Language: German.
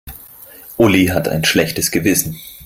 Uli hat ein schlechtes Gewissen.